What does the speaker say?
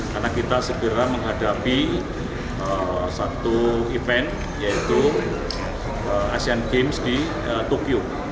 karena kita segera menghadapi satu event yaitu asian games di tokyo